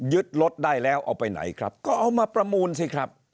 รถได้แล้วเอาไปไหนครับก็เอามาประมูลสิครับ